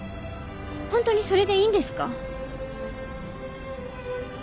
本当にそれでいいんですか？